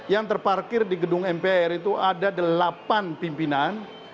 yang terparkir di gedung mpr itu ada delapan pimpinan